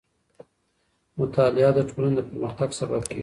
مطالعه د ټولنې د پرمختګ سبب کېږي.